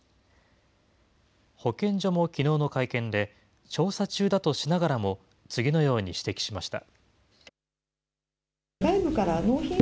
保健所もきのうの会見で、調査中だとしながらも、次のように指摘しました。